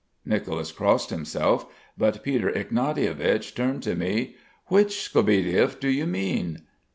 Nicolas crossed himself; but Peter Ignatievich turned to me: "Which Skobielev do you mean?"